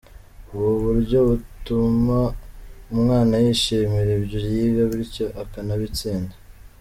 Ubu buryo butuma umwana yishimira ibyo yiga bityo akanabitsinda”.